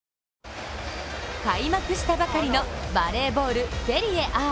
開幕したばかりのバレーボールセリエＡ。